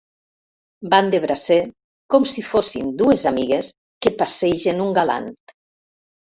Van de bracet, com si fossin dues amigues que passegen un galant.